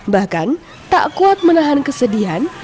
bahkan tak kuat menahan kesedihan